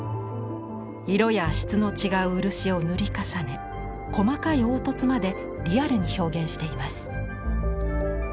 色や質の違う漆を塗り重ね細かい凹凸までリアルに表現しています。